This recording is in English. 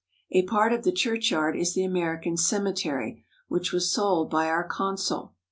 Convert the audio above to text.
A part of the churchyard is the American cemetery, which was sold by our consul.